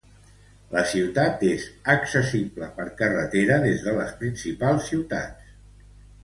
La ciutat és accessible per carretera des de les principals ciutats.